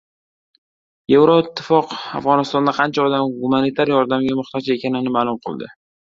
Evroittifoq Afg‘onistonda qancha odam gumanitar yordamga muhtoj ekanini ma’lum qildi